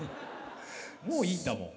もういいんだもん。